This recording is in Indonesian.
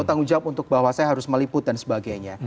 tanggung jawab untuk bahwa saya harus meliput dan sebagainya